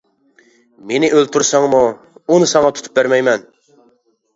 مېنى ئۆلتۈرسەڭمۇ، ئۇنى ساڭا تۇتۇپ بەرمەيمەن.